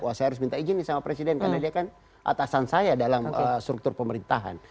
wah saya harus minta izin nih sama presiden karena dia kan atasan saya dalam struktur pemerintahan